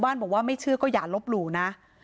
พระเจ้าที่อยู่ในเมืองของพระเจ้า